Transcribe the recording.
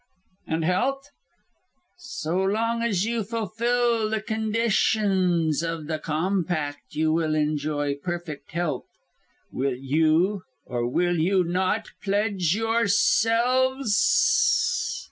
"And health?" "So long as you fulfil the conditions of the compact you will enjoy perfect health. Will you, or will you not, pledge yourselves?"